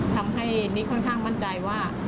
ทำให้นิกค่อนข้างมั่นใจว่า